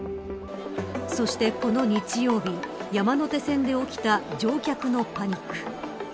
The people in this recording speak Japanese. そしてこの日曜日山手線で起きた乗客のパニック。